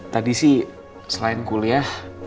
tadi sih selain kuliah